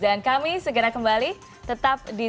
dan kami segera kembali tetap di